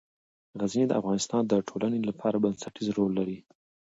غزني د افغانستان د ټولنې لپاره بنسټيز رول لري.